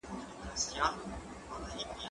کېدای سي لوبه اوږده سي!.